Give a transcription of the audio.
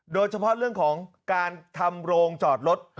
โดยเฉพาะเรื่องของการทำโรงจอดรถ